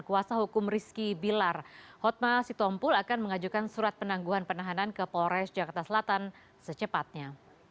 kuasa hukum rizki bilar hotma sitompul akan mengajukan surat penangguhan penahanan ke polres jakarta selatan secepatnya